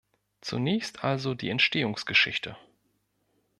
Zunächst also die Entstehungsgeschichte.